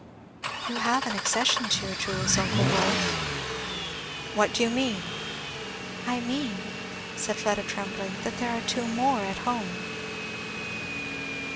"You have an accession to your jewels, uncle Rolf." "What do you mean?" "I mean," said Fleda trembling, "that there are two more at home."